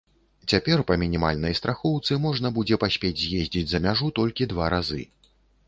Цяпер па мінімальнай страхоўцы можна будзе паспець з'ездзіць за мяжу толькі два разы.